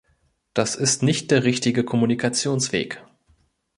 Das ist nicht der richtige Kommunikationsweg.